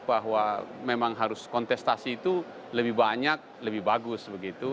bahwa memang harus kontestasi itu lebih banyak lebih bagus begitu